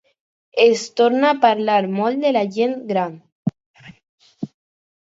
Es torna a parlar molt de la gent gran.